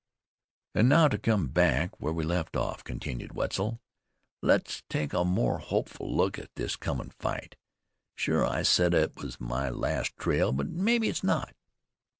"An' now to come back where we left off," continued Wetzel. "Let's take a more hopeful look at this comin' fight. Sure I said it was my last trail, but mebbe it's not.